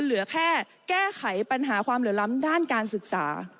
เหลือแค่แก้ไขปัญหาความเหลื่อมล้ำด้านการศึกษา